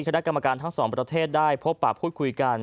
คณะกรรมการทั้งสองประเทศได้พบปะพูดคุยกัน